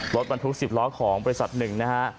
รถบรรทุก๑๐ล้อของบริษัทหนึ่งนะฮะ